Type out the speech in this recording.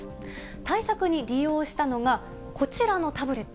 対策に利用したのが、こちらのタブレット。